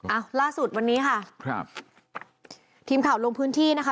อ่ะล่าสุดวันนี้ค่ะครับทีมข่าวลงพื้นที่นะคะ